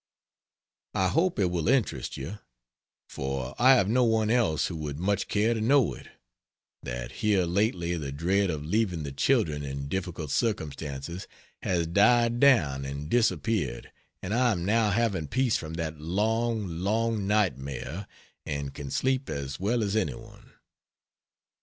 I hope it will interest you (for I have no one else who would much care to know it) that here lately the dread of leaving the children in difficult circumstances has died down and disappeared and I am now having peace from that long, long nightmare, and can sleep as well as anyone.